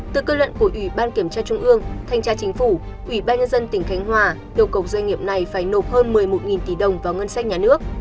từ cơ luận của ủy ban kiểm tra trung ương thanh tra chính phủ ủy ban nhân dân tỉnh khánh hòa yêu cầu doanh nghiệp này phải nộp hơn một mươi một tỷ đồng vào ngân sách nhà nước